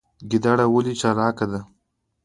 ګیدړه ولې چالاکه ده؟